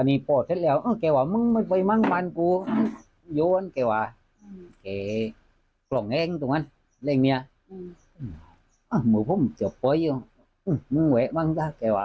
นี่คือเรื่องที่ลุงหาปเรียบร้อยแล้ว